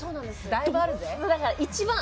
だいぶあるぜ。